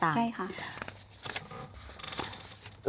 ใช่ค่ะ